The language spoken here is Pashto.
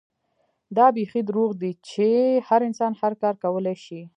دا بيخي دروغ دي چې هر انسان هر کار کولے شي